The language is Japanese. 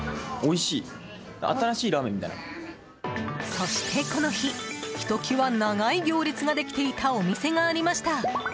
そして、この日ひときわ長い行列ができていたお店がありました。